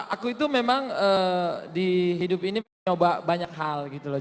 aku itu memang di hidup ini mencoba banyak hal gitu loh